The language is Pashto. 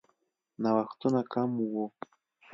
نوښتونه کم وو.